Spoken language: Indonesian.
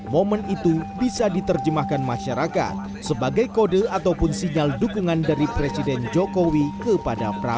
momen itu bisa diterjemahkan masyarakat sebagai kode ataupun sinyal dukungan dari presiden jokowi kepada prabowo